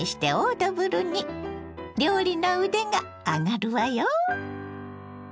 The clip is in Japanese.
料理の腕が上がるわよ。